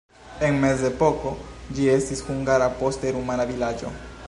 En mezepoko ĝi estis hungara, poste rumana vilaĝo.